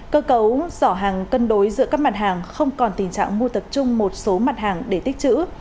cơ cấu giỏ hàng cân đối giữa các mặt hàng không còn tình trạng mua tập trung một số mặt hàng để tích chữ